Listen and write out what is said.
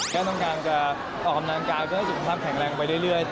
แค้นต้องการจะออกคำนางการก็จะความแข็งแรงไปเรื่อย